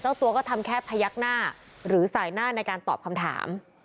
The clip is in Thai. ตัวก็ทำแค่พยักหน้าหรือสายหน้าในการตอบคำถาม